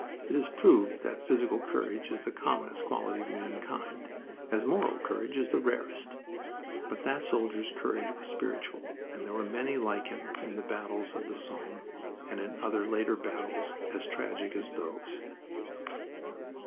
"It is proved that physical courage is the commonest quality of mankind, as moral courage is the rarest." But that soldier's courage was spiritual, and there were many like him in the battles of the Somme and in other later battles as tragic as those.